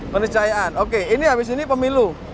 peniscayaan oke ini habis ini pemilu